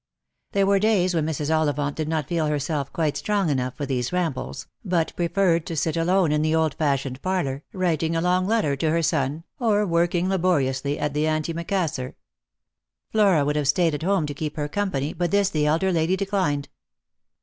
There were days when Mrs. Ollivant did not feel herself quite strong enough for these rambles, but preferred to sit alone in the old fashioned parlour, writing a long letter to her son, or working laboriously at the antimacassar. Flora would have stayed at home to keep her company, but this the elder lady declined.